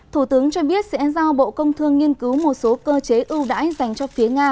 thủ tướng cho biết sẽ giao bộ công thương nghiên cứu một số cơ chế ưu đãi dành cho phía nga